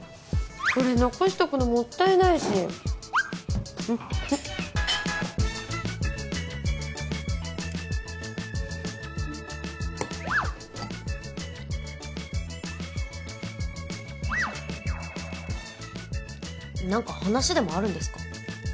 これ残しとくのもったいないし何か話でもあるんですか？